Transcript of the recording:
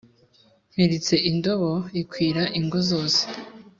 Mpiritse indobo ikwira ingo zose